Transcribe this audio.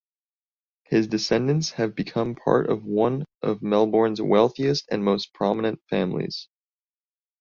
His descendants have become part of one of Melbourne's wealthiest and most prominent families.